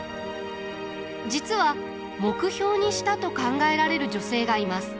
実は目標にしたと考えられる女性がいます。